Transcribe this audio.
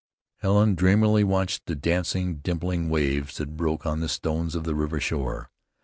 '" Helen dreamily watched the dancing, dimpling waves that broke on the stones of the river shore.